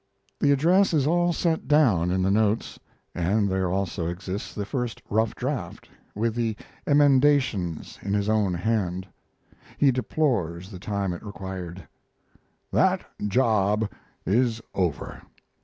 The address is all set down in the notes, and there also exists the first rough draft, with the emendations in his own hand. He deplores the time it required: That job is over.